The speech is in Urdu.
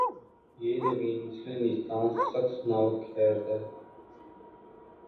یہ زمیں مثلِ نیستاں‘ سخت ناوک خیز ہے